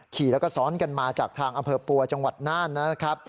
ขี่แล้วก็ซ้อนกันมาจากทางอำเภอปัวจังหวัดน่านนะครับ